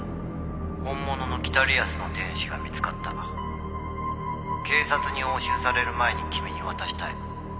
「本物の『北リアスの天使』が見付かった」「警察に押収される前に君に渡したい」